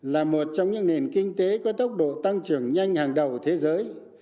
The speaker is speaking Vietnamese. là một trong những nền kinh tế có tốc độ tăng trưởng nhanh hàng đầu thế giới